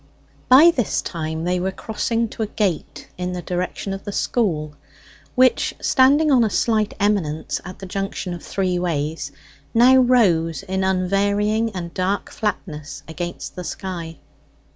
By this time they were crossing to a gate in the direction of the school, which, standing on a slight eminence at the junction of three ways, now rose in unvarying and dark flatness against the sky.